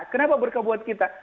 kenapa berkah buat kita